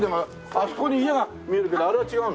あそこに家が見えるけどあれは違うの？